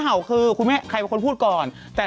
อย่าตบแรกกูตบแน่